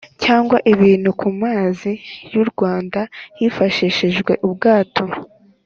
cyangwa ibintu ku mazi y’ u rwanda hifashishijwe ubwato.